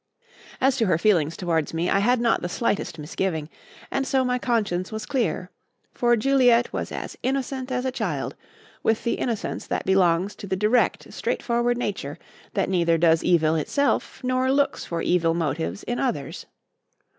As to her feelings towards me, I had not the slightest misgiving, and so my conscience was clear; for Juliet was as innocent as a child, with the innocence that belongs to the direct, straightforward nature that neither does evil itself nor looks for evil motives in others.